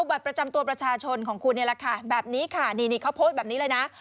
แบบนี้ค่ะนี่เขาโพสต์แบบนี้เลยนะ